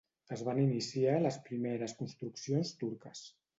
Es van iniciar les primeres construccions turques.